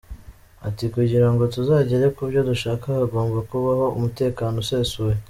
Ati, “kugira ngo tuzagere ku byo dushaka hagomba kubaho umutekano usesuye.